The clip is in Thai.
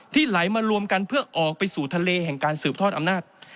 ไหลมารวมกันเพื่อออกไปสู่ทะเลแห่งการสืบทอดอำนาจ